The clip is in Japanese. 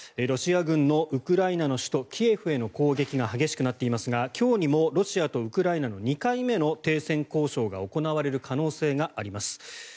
ロシア軍のウクライナの首都キエフへの攻撃が激しくなっていますが今日にもロシアとウクライナの２回目の停戦交渉が行われる可能性があります。